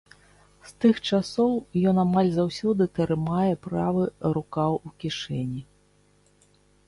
З тых часоў ён амаль заўсёды трымае правы рукаў у кішэні.